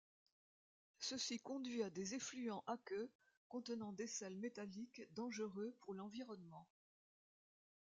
Ceci conduit à des effluents aqueux contenants des sels métalliques dangereux pour l'environnement.